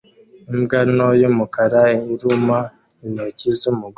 Imbwa nto y'umukara iruma intoki z'umugore